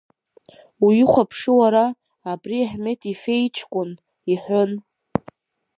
Уихәаԥши уара, абри Аҳмед Ефе иҷкәын, — иҳәон.